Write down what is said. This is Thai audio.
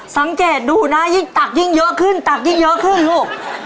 สำคัญดูนะตักยิ่งเยอะขึ้นลูก